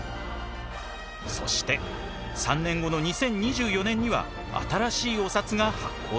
そして３年後の２０２４年には新しいお札が発行される。